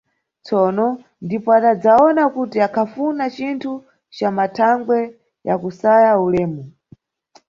Tsono ndipo adadzawona kuti akhafuna cinthu ca mathangwe ya kusaya ulemu.